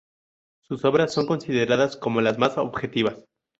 Sus obras son consideradas como las más objetivas.